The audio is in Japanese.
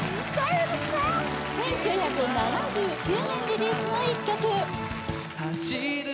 １９７９年リリースの１曲すげえ！